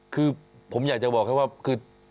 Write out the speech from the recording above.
คือผมอยากจะบอกให้ว่าคือ